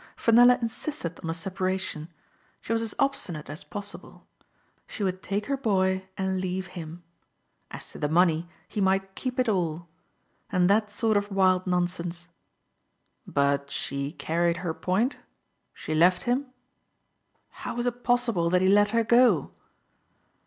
Fenella insisted on a separation ; she was as obstinate as possible. She would take her boy and leave him. As to the money, he might keep it all. And that sort of wild non sense." "But she carried her point? She left him? How was it possible that he let her go?"